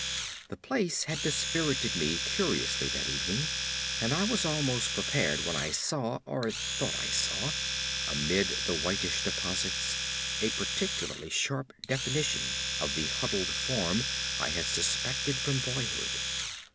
The place had dispirited me curiously that evening, and I was almost prepared when I saw or thought I saw amidst the whitish deposits a particularly sharp definition of the "huddled form" I had suspected from boyhood.